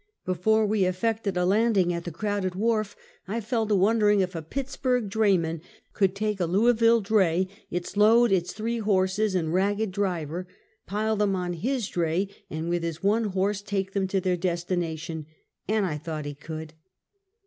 Before we effected a landing at the crowded wharf, I fell to wondering if a Pittsburg drayman could take a Louisville dray, its load, its three horses and ragged driver, pile them on his dray, and with his one horse take them to their destination — and I thought he could.